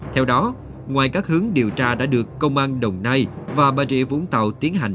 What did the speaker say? theo đó ngoài các hướng điều tra đã được công an đồng nai và bà rịa vũng tàu tiến hành